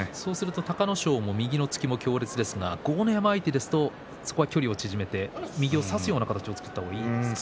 隆の勝の右の突きも強烈ですが豪ノ山相手ですと距離を縮めて右を差すような形がいいわけですか。